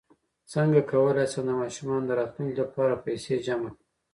څنګ کولی شم د ماشومانو د راتلونکي لپاره پیسې جمع کړم